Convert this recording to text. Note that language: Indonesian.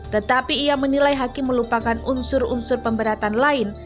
tetapi ia menilai hakim melupakan unsur unsur pemberatan lain